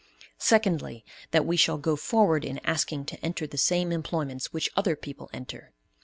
Secondly, that we shall go forward in asking to enter the same employments which other people enter.